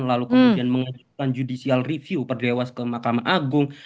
lalu kemudian mengajukan judicial review per dewas ke mahkamah agung